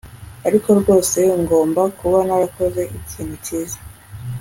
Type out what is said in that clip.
ariko rwose ngomba kuba narakoze ikintu cyiza